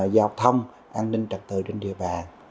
giao thông an ninh trật tự trên địa bàn